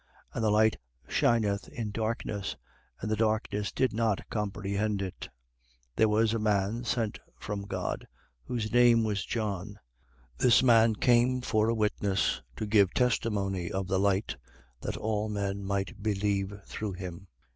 1:5. And the light shineth in darkness: and the darkness did not comprehend it. 1:6. There was a man sent from God, whose name was John. 1:7. This man came for a witness, to give testimony of the light, that all men might believe through him.